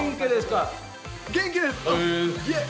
元気ですか？